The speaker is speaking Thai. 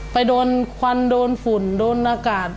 ไปโดนควันโดนฝุ่นโดนอากาศ